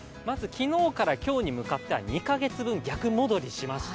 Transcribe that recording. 昨日から今日に向かっては２か月分逆戻りしました。